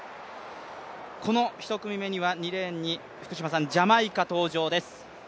この１組目には２レーンにジャマイカ登場です。